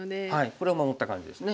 これを守った感じですね。